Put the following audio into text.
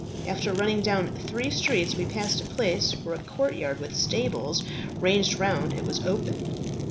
After running down three streets, we passed a place where a courtyard with stables ranged round it was open.